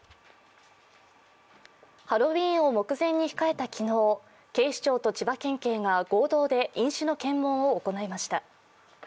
ハロウィーンを目前に控えた昨日、警視庁と千葉県警が合同で飲酒の検問を行いました。